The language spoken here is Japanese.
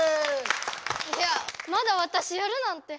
いやまだわたしやるなんて。